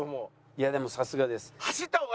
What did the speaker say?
いやでもさすがです。